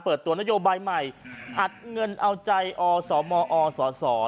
เปิดตัวนโยบายใหม่อัดเงินเอาใจอสมอส